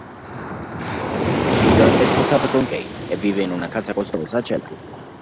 Gideon è sposato con Kate e vive in una casa costosa a Chelsea.